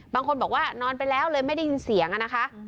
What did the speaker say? บางคนบอกว่านอนไปแล้วเลยไม่ได้ยินเสียงอะนะคะ